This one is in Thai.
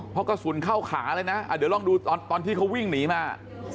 เพราะกระสุนเข้าขาเลยนะเดี๋ยวลองดูตอนที่เขาวิ่งหนีมา